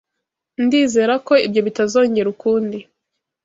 Ndizera ko ibyo bitazongera ukundi.